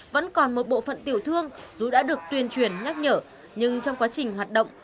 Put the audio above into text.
vẫn còn một bộ phận tiểu thương dù đã được tuyên truyền nhắc nhở nhưng trong quá trình hoạt động